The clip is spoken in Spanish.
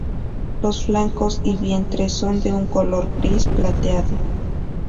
Los flancos y vientre son de un color gris plateado.